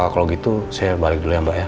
kalau gitu saya balik dulu ya mbak ya